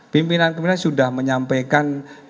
pimpinan pimpinan sudah menyampaikan